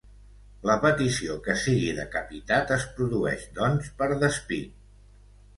La petició que sigui decapitat es produeix, doncs, per despit.